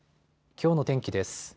きょうの天気です。